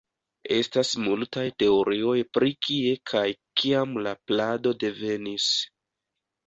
Estas multaj teorioj pri kie kaj kiam la plado devenis.